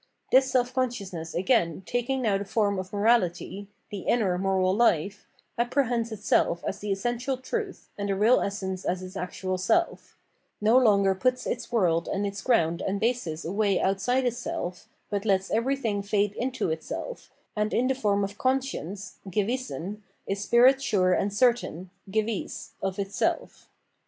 This self consciousness, again, taking now the form of Morahty (the inner moral hfe) apprehends itself as the essential truth, and the real essence as its actual self : no longer puts its world and its ground and basis away outside itself, but lets everythiug fade into itself, and in the form of Conscience (Gewissen) is spirit sure and certain {gewiss) of itself.